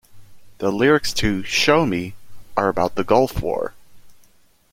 The lyrics to "Show Me" are about the Gulf War.